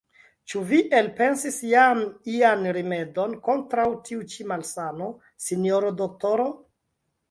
Ĉu vi elpensis jam ian rimedon kontraŭ tiu ĉi malsano, sinjoro doktoro?